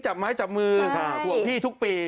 จับไม้จับมือห่วงพี่ทุกปี